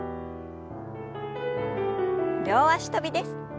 両脚跳びです。